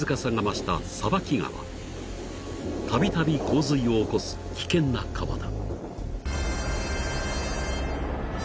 ［たびたび洪水を起こす危険な川だ］